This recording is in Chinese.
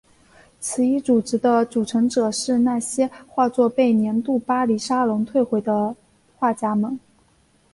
此一组织的组成者是那些画作被年度巴黎沙龙退回的画家们。